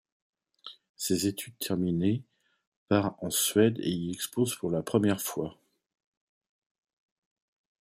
Ses études terminées, part en Suède et y expose pour la première fois.